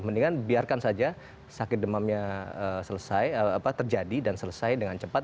mendingan biarkan saja sakit demamnya selesai terjadi dan selesai dengan cepat